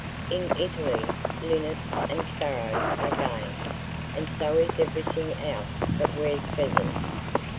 In Italy, linnets and sparrows are "game"; and so is everything else that wears feathers!